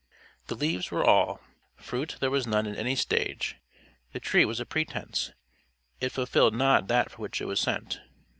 The leaves were all; fruit there was none in any stage; the tree was a pretence; it fulfilled not that for which it was sent.